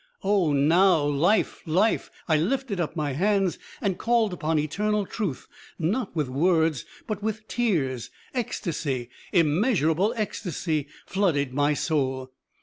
Oh, now, life, life! I lifted up my hands and called upon eternal truth, not with words but with tears; ecstasy, immeasurable ecstasy flooded my soul.